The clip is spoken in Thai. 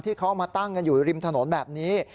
ที่เขาเอามาตั้งกันอยู่ริมถนนแบบนี้